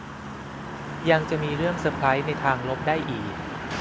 ยังจะมีเรื่องเซอร์ไพรส์ในทางลบได้อีก